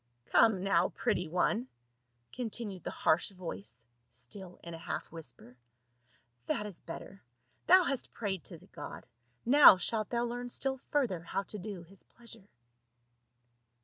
" Come now, pretty one," continued the harsh voice still in a half whisper, " that is better, thou hast prayed to the god ; now shalt thou learn still further how to do his pleasure."